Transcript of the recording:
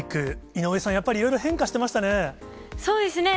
井上さん、やっぱりいろいろ変化そうですね。